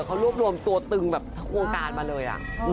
เขารวบรวมตัวตึงแบบทั้งวงการมาเลย